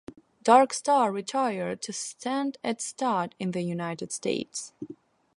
Dark Star retired to stand at stud in the United States.